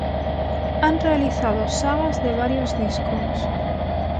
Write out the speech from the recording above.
Han realizado sagas de varios discos.